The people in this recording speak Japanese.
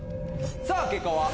さぁ結果は？